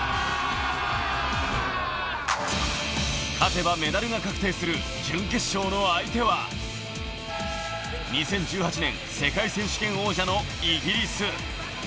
勝てばメダルが確定する準決勝の相手は、２０１８年世界選手権王者のイギリス。